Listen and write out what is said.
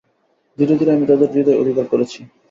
ধীরে ধীরে আমি তাদের হৃদয় অধিকার করেছি।